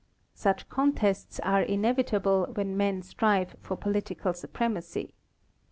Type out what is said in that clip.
Such contests are inevi table where men strive for political supremacy.